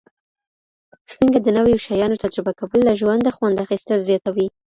څنګه د نویو شیانو تجربه کول له ژونده خوند اخیستل زیاتوي؟